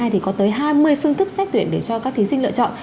thì có tới hai mươi phương thức xét tuyển để cho các thí sinh lựa chọn